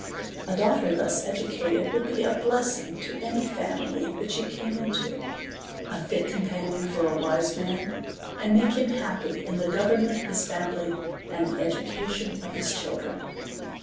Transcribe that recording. A daughter thus educated would be a blessing to any family that she came into ; a fit companion for a wise man, and make him happy in the government of his family, and the education of his children.